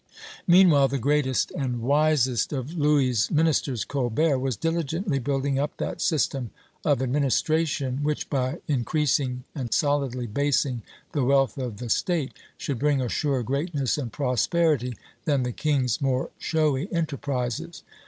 Meanwhile the greatest and wisest of Louis' ministers, Colbert, was diligently building up that system of administration, which, by increasing and solidly basing the wealth of the State, should bring a surer greatness and prosperity than the king's more showy enterprises.